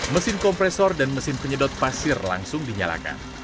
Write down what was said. mesin kompresor dan mesin penyedot pasir langsung dinyalakan